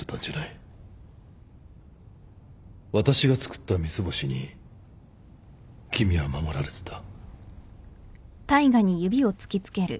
私がつくった三ツ星に君は守られてた。